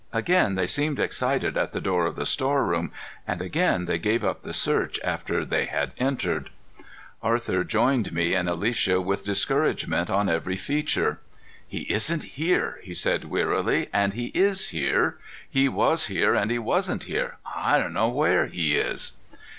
Again they seemed excited at the door of the storeroom, and again they gave up the search after they had entered. Arthur rejoined me and Alicia with discouragement on every feature. "He isn't here," he said wearily, "and he is here. He was here and he wasn't here. I don't know where he is!"